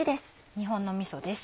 日本のみそです。